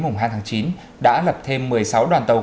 mùng hai tháng chín đã lập thêm một mươi sáu đoàn tàu